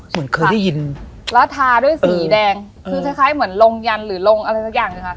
เหมือนเคยได้ยินแล้วทาด้วยสีแดงคือคล้ายคล้ายเหมือนลงยันหรือลงอะไรสักอย่างหนึ่งค่ะ